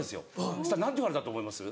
そしたら何て言われたと思います？